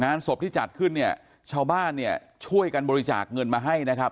ศพที่จัดขึ้นเนี่ยชาวบ้านเนี่ยช่วยกันบริจาคเงินมาให้นะครับ